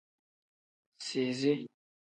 Sizi.